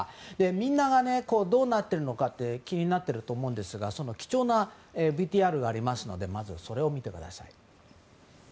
みんながどうなっているのかって気になっていると思うんですが貴重なＶＴＲがありますのでまずそれを見てください。